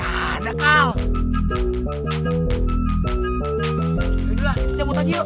ayo dulu lah kita jamur tadi yuk